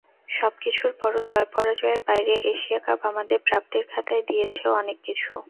সবকিছুর পরও জয়-পরাজয়ের বাইরে এশিয়া কাপ আমাদের প্রাপ্তির খাতায় দিয়েছেও অনেক কিছু।